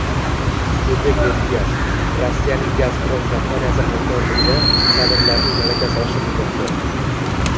O‘zbekneftgaz: Rossiyaning Gazprom kompaniyasi hamkorligida kadrlarning malakasi oshirilmoqda